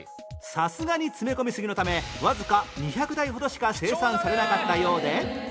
さすがに詰め込みすぎのためわずか２００台ほどしか生産されなかったようで